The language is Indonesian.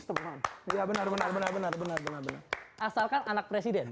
mereka mau wisteman dia benar benar benar benar benar benar benar benar asalkan anak presiden